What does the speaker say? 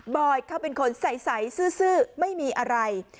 อยเขาเป็นคนใสซื่อไม่มีอะไร